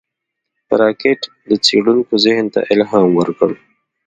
راکټ د څېړونکو ذهن ته الهام ورکړ